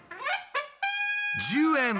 １０円！